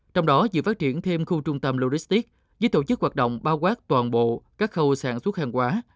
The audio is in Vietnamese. trong đó dự phát triển thêm khu trung tâm logistic với tổ chức hoạt động bao quát toàn bộ các khâu sản xuất hàng quá